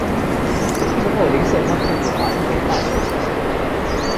之后林瑟康进入华盛顿大学学习。